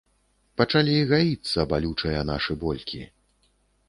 Пачалі гаіцца балючыя нашы болькі.